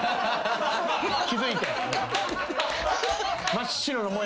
気付いて。